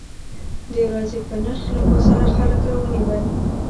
د ورځې په نرخ له بازاره خلک راونیول.